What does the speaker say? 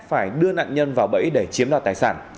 phải đưa nạn nhân vào bẫy để chiếm đoạt tài sản